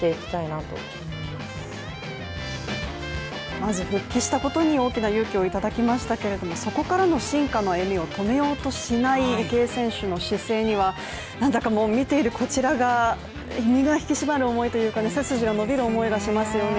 まず復帰したことに大きな勇気をいただきましたけれどもそこからの進化の歩みを止めようとしない池江選手の姿にはなんだかもう見ているこちらが身が引き締まる思いといいますか背筋が伸びる思いがしますよね。